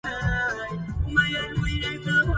أرقت كأني النجم يجري ويكنس